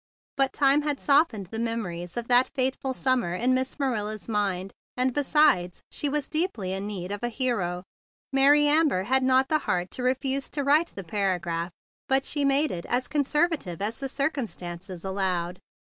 But time had softened the memories of that fateful summer in Miss Manila's mind, and, besides, she was sorely in THE BIG BLUE SOLDIER' f 9 need of a hero. Mary Amber had not the heart to refuse to write the para¬ graph, but she made it as conservative as the circumstances allowed.